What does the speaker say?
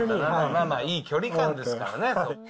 まあまあ、いい距離感ですから。